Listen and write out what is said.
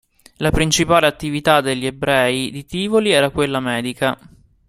La principale attività degli ebrei di Tivoli era quella medica.